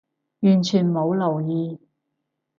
完全冇留意